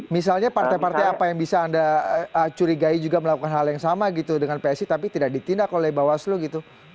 misalnya partai partai apa yang bisa anda curigai juga melakukan hal yang sama gitu dengan psi tapi tidak ditindak oleh bawaslu gitu